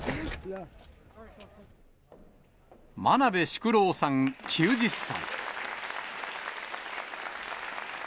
真鍋淑郎さん９０歳。